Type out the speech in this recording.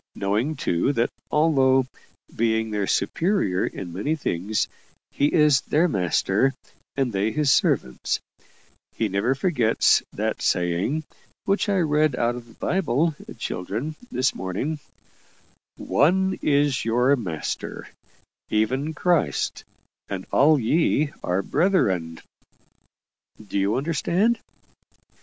Knowing, too, that although, being their superior in many things, he is their master and they his servants, he never forgets that saying, which I read out of the Bible, children, this morning: 'ONE IS YOUR MASTER EVEN CHRIST, AND ALL YE ARE BRETHREN.' Do you understand?"